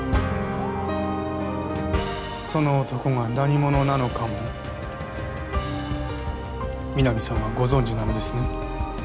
その男が何者なのかも皆実さんはご存じなのですね？